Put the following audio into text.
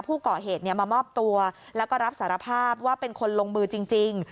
ผู้ก่อเหตุมามอบตัวแล้วก็รับสารภาพว่าเป็นคนลงมือจริง